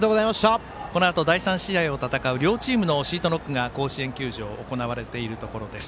このあと第３試合を戦う両チームのシートノックが甲子園球場行われているところです。